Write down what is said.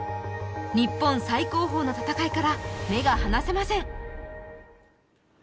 日本最高峰の戦いから目が離せません。